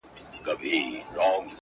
پر اوږو د اوښكو ووته له ښاره.!